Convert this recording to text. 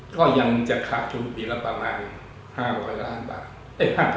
ก็ยังจะขาดทุนอีกละประมาณนี้